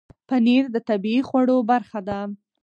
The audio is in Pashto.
پنېر د طبیعي خوړو برخه ده.